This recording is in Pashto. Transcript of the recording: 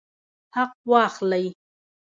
حق واخلئ